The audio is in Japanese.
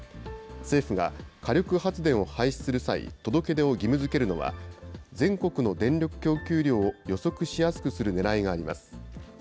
政府が火力発電を廃止する際、届け出を義務づけるのは、全国の電力供給量を予測しやすくするねらいがあります。